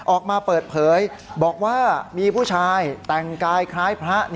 ออกมาเปิดเผยบอกว่ามีผู้ชายแต่งกายคล้ายพระ